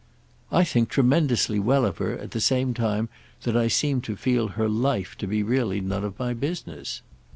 "I think tremendously well of her, at the same time that I seem to feel her 'life' to be really none of my business.